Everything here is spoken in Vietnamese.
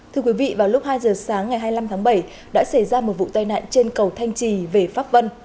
thưa quý vị vào lúc hai giờ sáng ngày hai mươi năm tháng bảy đã xảy ra một vụ tai nạn trên cầu thanh trì về pháp vân